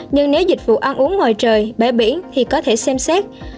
nhưng nếu dịch vụ ăn uống ngoài trời bãi biển thì có thể xem xét